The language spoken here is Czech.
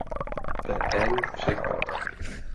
Pé-en přechod